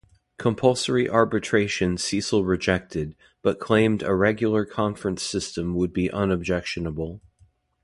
Compulsory arbitration Cecil rejected but claimed a regular conference system would be unobjectionable.